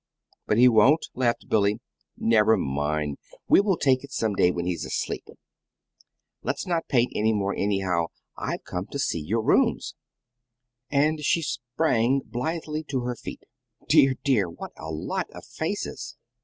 "But he won't!" laughed Billy. "Never mind; we will take it some day when he's asleep. Let's not paint any more, anyhow. I've come to see your rooms." And she sprang blithely to her feet. "Dear, dear, what a lot of faces!